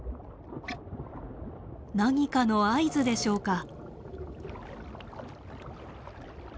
何かの合図でしょうか？